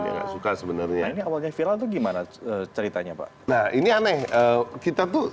dia sudah sebenernya ini awalnya vila tuh gimana ceritanya pak nah ini aneh kita tuh